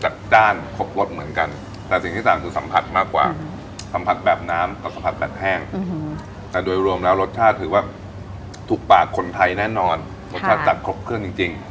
จ้านครบรสเหมือนกันแต่สิ่งที่ต่างคือสัมผัสมากกว่าสัมผัสแบบน้ำกับสัมผัสแบบแห้งแต่โดยรวมแล้วรสชาติถือว่าถูกปากคนไทยแน่นอนรสชาติจัดครบเครื่องจริง